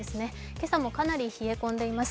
今朝もかなり冷え込んでいます。